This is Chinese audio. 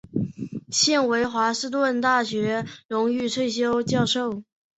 现为华盛顿大学荣誉退休教授。